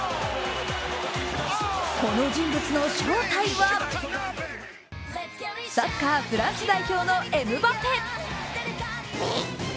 この人物の正体はサッカー・フランス代表のエムバペ。